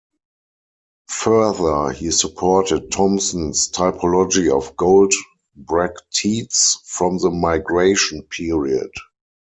Further he supported Thomsen's typology of gold bracteates from the migration period.